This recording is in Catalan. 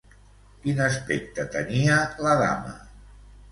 Quin aspecte tenia la dama?